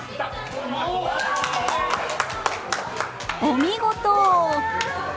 お見事！